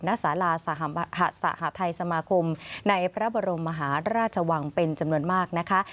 สาราสหทัยสมาคมในพระบรมมหาราชวังเป็นจำนวนมากนะคะ